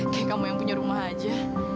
kayak kamu yang punya rumah aja